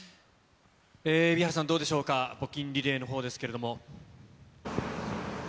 蛯原さん、どうでしょうか、募金リレーのほうですけれども。